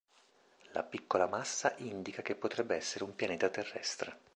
La piccola massa indica che potrebbe essere un pianeta terrestre.